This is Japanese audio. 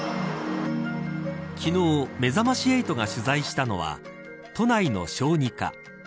昨日、めざまし８が取材したのは都内の小児科。